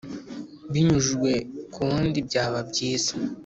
binyujijwe ku wundi byaba byiza